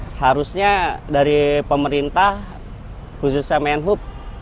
seharusnya dari pemerintah khususnya menhub